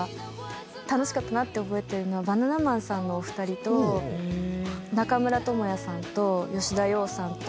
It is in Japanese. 楽しかったなって覚えてるのはバナナマンさんのお二人と中村倫也さんと吉田羊さんと。